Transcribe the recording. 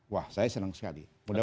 wah saya senang sekali mudah mudahan